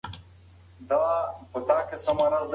تنهایي د ټولنیزو اړیکو په مټ ختمیږي.